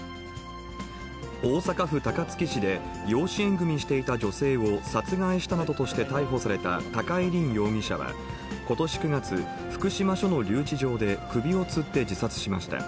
大阪府高槻市で、養子縁組みしていた女性を殺害したなどとして逮捕された高井凜容疑者は、ことし９月、福島署の留置場で首をつって自殺しました。